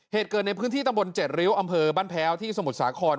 เหตุเกิดในพื้นที่ตำบล๗ริ้วอำเภอบ้านแพ้วที่สมุทรสาคร